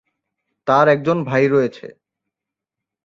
তার একজন ভাই রয়েছে।